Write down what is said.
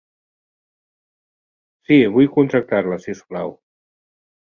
Sí, vull contractar-la, si us plau.